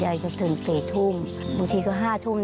ป้าก็ทำของคุณป้าได้ยังไงสู้ชีวิตขนาดไหนติดตามกัน